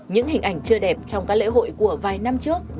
những hình ảnh chưa đẹp trong các lễ hội của vài năm trước đã không còn